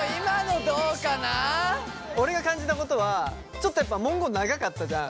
俺が感じたことはちょっとやっぱ文言長かったじゃん？